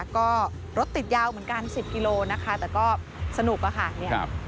ก็รถติดยาวเหมือนกัน๑๐กิโลนะคะแต่ก็สนุกอะค่ะ